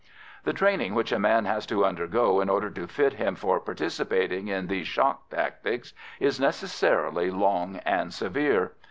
The training which a man has to undergo in order to fit him for participating in these shock tactics is necessarily long and severe.